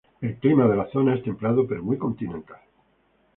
El clima de la zona es templado, pero muy continental.